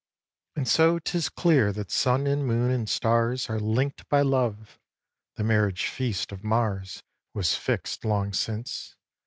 xvii. And so 'tis clear that sun and moon and stars Are link'd by love! The marriage feast of Mars Was fixt long since.